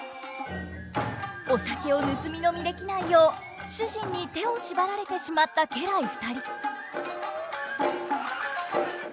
お酒を盗み飲みできないよう主人に手を縛られてしまった家来２人。